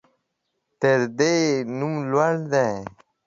تر ده يې نوم لوړ دى.